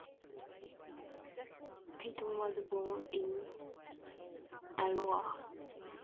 Paton was born in Alloa.